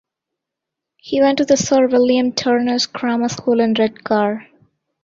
He went to the Sir William Turner's Grammar School in Redcar.